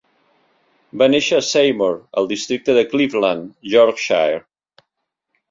Va néixer a Seymour, al districte de Cleveland, Yorkshire.